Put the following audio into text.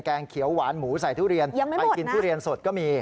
งเขียวหวานหมูใส่ทุเรียนไปกินทุเรียนสดก็มี